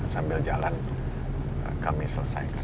sambil jalan kami selesaikan